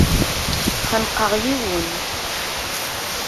Xenqeɣ yiwen.